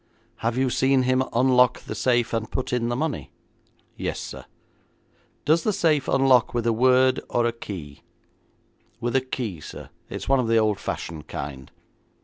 'Have you seen him unlock the safe and put in the money?' 'Yes, sir.' 'Does the safe unlock with a word or a key?' 'With a key, sir. It's one of the old fashioned kind.'